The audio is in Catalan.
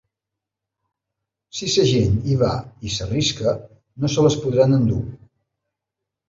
Si la gent hi va i s’arrisca, no se les podran endur.